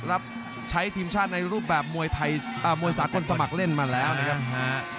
แล้วใช้ทีมชาติในรูปแบบมวยสาคมนสมัครเล่นมาแล้วนะครับ